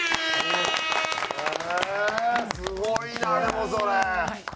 すごいなでもそれ。